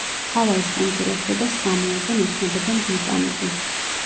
ჰავაის კუნძულებზე და სამოაზე მოქმედებენ ვულკანები.